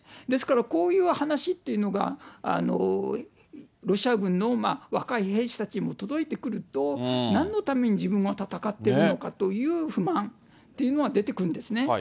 ですから、こういう話っていうのが、ロシア軍の若い兵士たちにも届いてくると、なんのために自分は戦っているのかという不満っていうのが出てくるんですね。